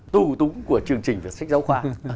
tu túng của chương trình việt sách giáo khoa